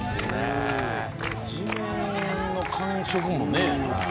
地面の感触もね。